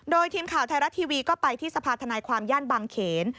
โดยทีมข่าวไทรรัสทีวีก็ไปที่ฐความย่านบางเขน